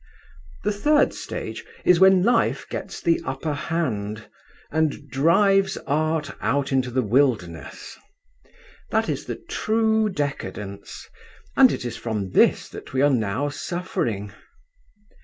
The third stage is when Life gets the upper hand, and drives Art out into the wilderness. That is the true decadence, and it is from this that we are now suffering.